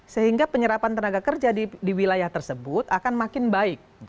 sehingga penyerapan tenaga kerja di wilayah tersebut akan makin baik